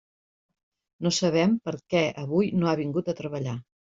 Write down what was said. No sabem per què avui no ha vingut a treballar.